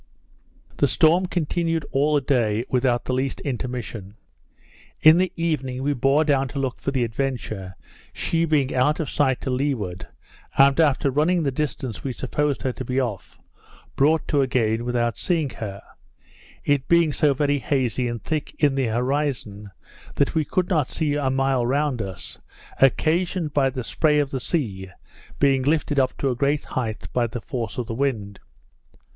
The storm continued all the day without the least intermission. In the evening we bore down to look for the Adventure, she being out of sight to leeward, and after running the distance we supposed her to be off, brought to again without seeing her; it being so very hazy and thick in the horizon, that we could not see a mile round us, occasioned by the spray of the sea being lifted up to a great height by the force of the wind.